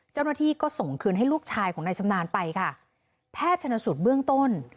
เจ้าหน้าที่ก็ส่งคืนให้ลูกชายของนายชำนาญไปค่ะแพทย์ชนสูตรเบื้องต้น